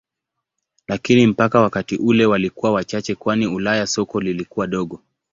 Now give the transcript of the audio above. Lakini mpaka wakati ule walikuwa wachache kwani Ulaya soko lilikuwa dogo.